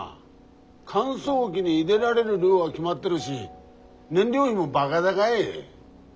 乾燥機に入れられる量は決まってるし燃料費もバガ高い。